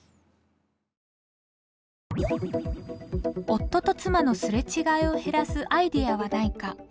夫と妻の擦れ違いを減らすアイデアはないか。